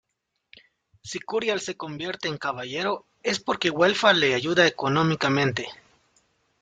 Si Curial se convierte en caballero es porque Güelfa le ayuda económicamente.